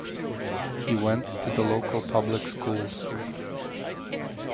He went to the local public schools.